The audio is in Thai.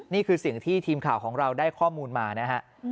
นี่คือสิ่งที่ทีมข่าวของเราได้ข้อมูลมานะฮะ